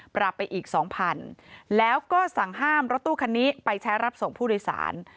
ปรับไปอีกสองพันแล้วก็สั่งห้ามรถตู้คันนี้ไปใช้รับส่งผู้โดยสาร